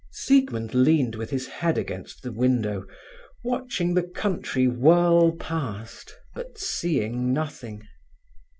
Siegmund leaned with his head against the window, watching the country whirl past, but seeing nothing.